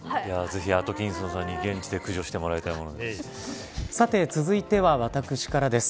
ぜひ、アトキンソンさんに現地で駆除してもらいたいです。